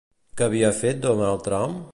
Que havia fet Donald Trump?